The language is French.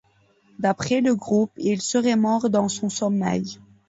D'après le groupe, il serait mort dans son sommeil.